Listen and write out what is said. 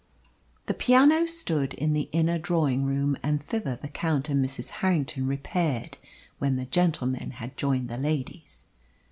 The piano stood in the inner drawing room, and thither the Count and Mrs. Harrington repaired when the gentlemen had joined the ladies.